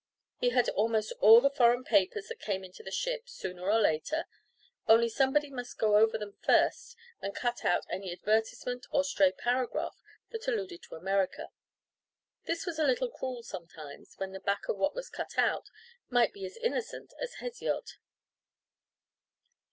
He had almost all the foreign papers that came into the ship, sooner or later; only somebody must go over them first, and cut out any advertisement or stray paragraph that alluded to America. This was a little cruel sometimes, when the back of what was cut out might be as innocent as Hesiod.